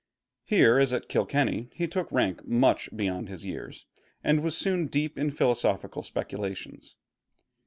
Here as at Kilkenny he took rank much beyond his years, and was soon deep in philosophical speculations.